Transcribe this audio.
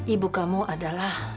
ibu kamu adalah